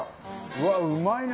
うわっうまいな。